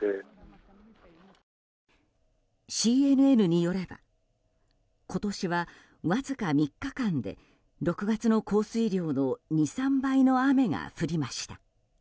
ＣＮＮによれば今年はわずか３日間で６月の降水量の２３倍の雨が降りました。